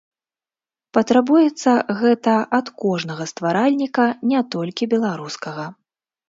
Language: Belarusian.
Патрабуецца гэта ад кожнага стваральніка, не толькі беларускага.